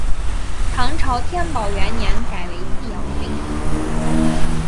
唐朝天宝元年改为济阳郡。